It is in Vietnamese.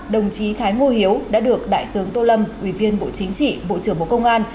đồng chí thái ngô hiếu đã được đại tướng tô lâm ủy viên bộ chính trị bộ trưởng bộ công an